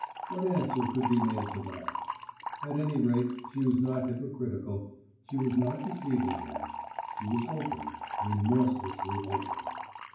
What answer could be made to that? At any rate she was not hypocritical, she was not deceiving him ... she was open, remorselessly open.